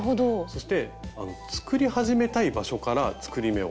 そして作り始めたい場所から作り目を作れる。